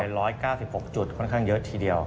๑๙๖จุดค่อนข้างเยอะทีเดียว